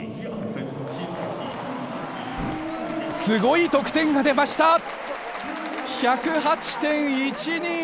すごい得点が出ました！１０８．１２！